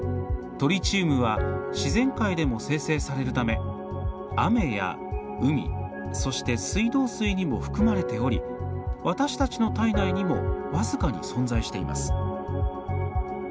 トリチウムは自然界でも生成されるため雨や海そして水道水にも含まれており私たちの体内にも僅かに存在しています。